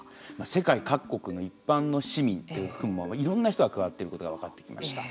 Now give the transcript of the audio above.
世界各国の一般の市民を含むいろんな人が関わっていることが分かってきました。